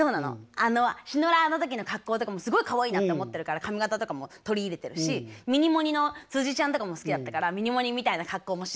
あのシノラーの時の格好とかもすごいかわいいなと思ってるから髪形とかも取り入れてるしミニモニ。のちゃんとかも好きだったからミニモニ。みたいな格好もしてるし。